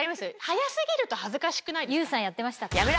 早過ぎると恥ずかしくないですか？